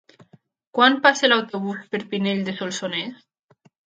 Quan passa l'autobús per Pinell de Solsonès?